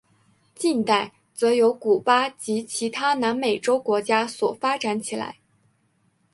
近代则由古巴及其他南美洲国家所发展起来。